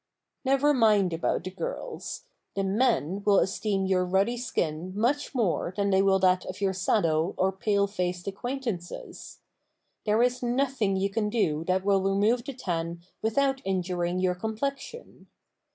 Never mind about the girls—the men will esteem your ruddy skin much more than they will that of your sallow or pale faced acquaintances. There is nothing you can do that will remove the tan without injuring your complexion.